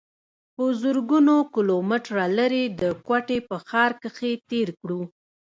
پۀ زرګونو کلومټره لرې د کوټې پۀ ښار کښې تير کړو